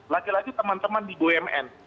lagi lagi teman teman di bumn